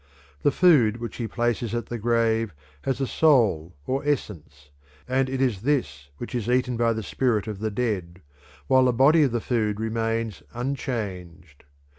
The food which he places at the grave has a soul or essence, and it is this which is eaten by the spirit of the dead, while the body of the food remains unchanged.